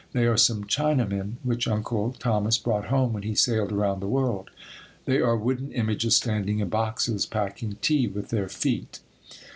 They are some Chinamen which Uncle Thomas brought home when he sailed around the world. They are wooden images standing in boxes, packing tea with their feet.